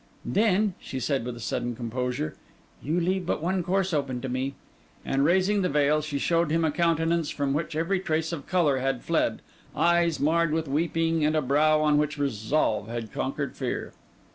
'Then,' she said, with a sudden composure, 'you leave but one course open to me.' And raising the veil, she showed him a countenance from which every trace of colour had fled, eyes marred with weeping, and a brow on which resolve had conquered fear.